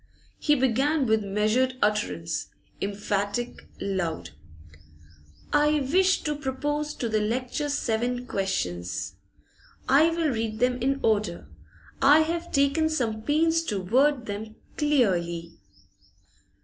He began with measured utterance, emphatic, loud. 'I wish to propose to the lecturer seven questions. I will read them in order; I have taken some pains to word them clearly.